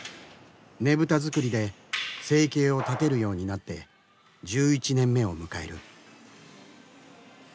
ねぶた作りで生計を立てるようになって１１年目を迎える。